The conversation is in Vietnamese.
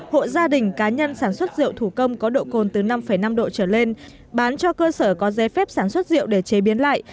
hộ gia đình cá nhân sản xuất rượu thủ công có độ cồn từ năm năm độ trở lên bán cho cơ sở có giấy phép sản xuất rượu để chế biến lại